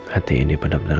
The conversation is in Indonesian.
hati ini benar benar